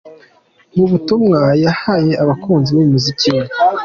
Mu butumwa yahaye abakunzi b’umuziiki we.